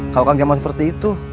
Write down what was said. kalau kang jaman seperti itu